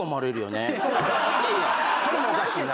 それもおかしいな。